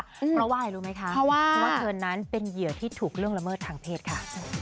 เพราะว่าอะไรรู้ไหมคะเพราะว่าเธอนั้นเป็นเหยื่อที่ถูกล่วงละเมิดทางเพศค่ะ